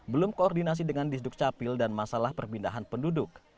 belum koordinasi dengan disduk capil dan masalah perpindahan penduduk